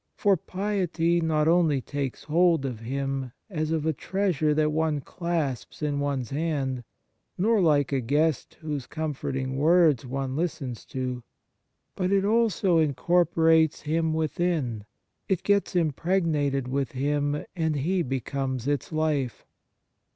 For piety not only takes hold of Him as of a treasure that one clasps in one's hand, nor like a guest whose com forting words one listens to; but it also incorporates Him within, it gets impregnated with Him, and He be comes its life.